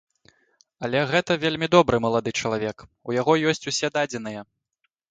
Але гэта вельмі добры малады чалавек, у яго ёсць ўсе дадзеныя.